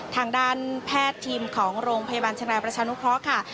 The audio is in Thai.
ทางด้านแพทย์ทีมของโรงพยาบาลชนะประชานุเคราะห์ค่ะ